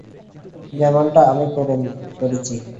যেমনটা আমি পূরণ করেছি।